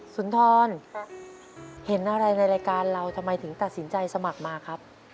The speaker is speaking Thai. สุนทรเห็นอะไรในรายการเราทำไมถึงตัดสินใจสมัครมาครับ